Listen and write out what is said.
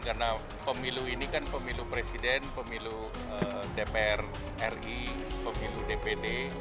karena pemilu ini kan pemilu presiden pemilu dpr ri pemilu dpd